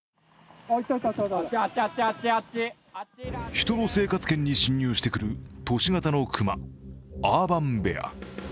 人の生活圏に侵入してくる都市型の熊、アーバンベア。